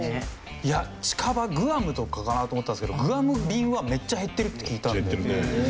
いや近場グアムとかかなと思ったんですけどグアム便はめっちゃ減ってるって聞いたんで。